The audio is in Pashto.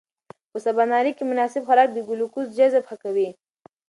په سباناري کې مناسب خوراک د ګلوکوز جذب ښه کوي.